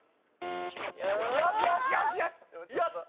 よしよしよしよしっ！